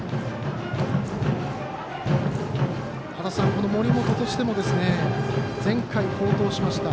この森本としても前回好投しました。